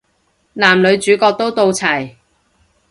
男女主角都到齊